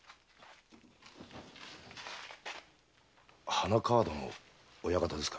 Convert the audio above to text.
花川田の親方ですか？